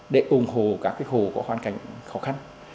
để ủng hộ các hồ có hoàn cảnh khó khăn